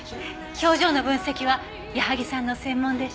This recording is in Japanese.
表情の分析は矢萩さんの専門でした。